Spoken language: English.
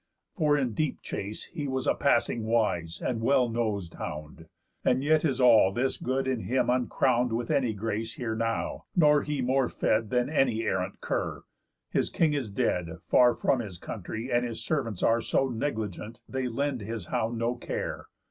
For in deep chace He was a passing wise and well nos'd hound. And yet is all this good in him uncrown'd With any grace here now, nor he more fed Than any errant cur. His king is dead, Far from his country; and his servants are So negligent they lend his hound no care.